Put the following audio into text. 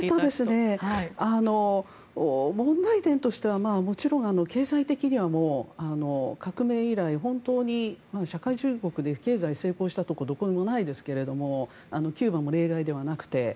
問題点としては経済的には革命以来本当に社会主義国で経済が成功したところはどこにもないですがキューバも例外ではなくて。